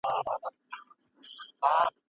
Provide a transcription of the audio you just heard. تنقيدي فکر په ټولنپوهنه کې زده کېږي.